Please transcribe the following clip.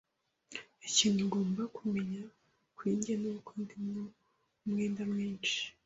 Ikintu ugomba kumenya kuri njye nuko ndimo umwenda mwinshi.